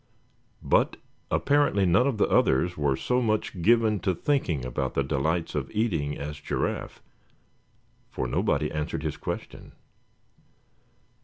But apparently none of the others were so much given to thinking about the delights of eating as Giraffe, for nobody answered his question.